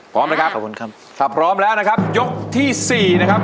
พร้อมนะครับพร้อมแล้วนะครับยกที่๔นะครับ